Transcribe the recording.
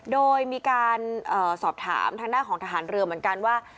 โดยมีการสอบถามทางด้านของทหารเรือเหมือนกันว่า